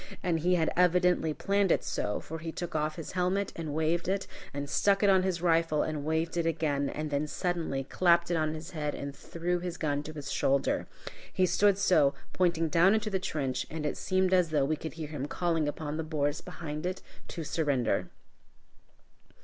And he had evidently planned it so, for he took off his helmet and waved it, and stuck it on his rifle and waved it again, and then suddenly clapped it on his head and threw his gun to his shoulder. He stood so, pointing down into the trench, and it seemed as though we could hear him calling upon the Boers behind it to surrender.